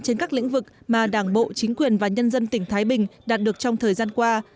trên các lĩnh vực mà đảng bộ chính quyền và nhân dân tỉnh thái bình đạt được trong thời gian qua